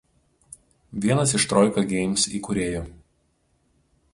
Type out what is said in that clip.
Vienas iš „Troika Games“ įkūrėjų.